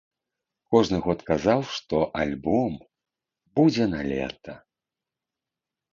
Кожны год казаў, што альбом будзе налета.